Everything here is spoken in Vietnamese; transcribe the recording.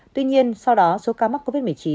tuy nhiên sau đó số ca mắc covid một mươi chín